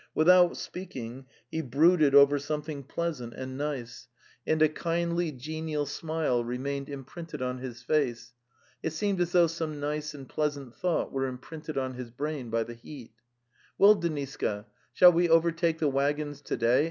Without speaking, he brooded over something pleasant and nice, and a 170 The Tales of Chekhov kindly, genial smile remained imprinted on his face. It seemed as though some nice and pleasant thought were imprinted on his brain by the heat. ... "Well, Deniska, shall we overtake the waggons to day?"